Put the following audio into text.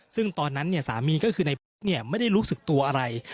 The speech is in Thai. ซึ่งตอนนั้นสามีก็คือในพบไม่ได้รู้สึกตัวอะไร